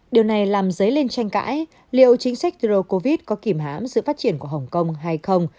điều này làm dấy lên tranh cãi liệu chính sách rô covid có kìm hãm sự phát triển của hồng kông hay không